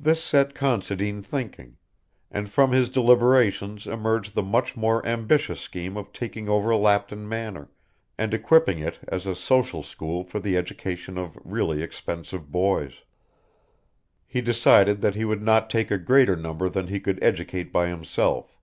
This set Considine thinking, and from his deliberations emerged the much more ambitious scheme of taking over Lapton Manor, and equipping it as a special school for the education of really expensive boys. He decided that he would not take a greater number than he could educate by himself.